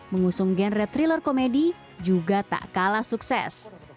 mengusung genre thriller komedi juga tak kalah sukses